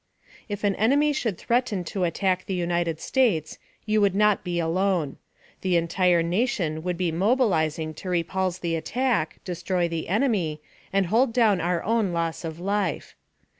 If an enemy should threaten to attack the United States, you would not be alone. The entire Nation would be mobilizing to repulse the attack, destroy the enemy, and hold down our own loss of life.